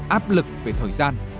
áp lực về thời gian